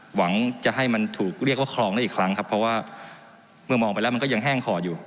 หวังจะให้มันถูกเรียกว่าคลองได้อีกครั้งครับเพราะว่าเมื่อมองไปแล้วมันก็ยังแห้งคออยู่